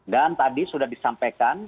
dan tadi sudah disampaikan